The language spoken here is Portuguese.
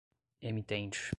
emitente